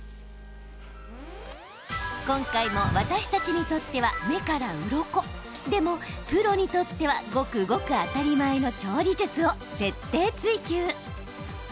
今回も私たちにとっては目からうろこでも、プロにとってはごくごく当たり前の調理術を徹底追求。